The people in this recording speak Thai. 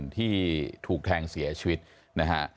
ที่ถูกแทงเสียชีวิตนะฮะ